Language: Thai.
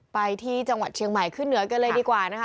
ไปที่จังหวัดเชียงใหม่ขึ้นเหนือกันเลยดีกว่านะคะ